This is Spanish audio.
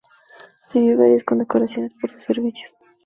Recibió varias condecoraciones por sus servicios.